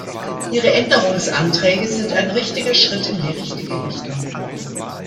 Ihre Änderungsanträge sind ein richtiger Schritt in die richtige Richtung.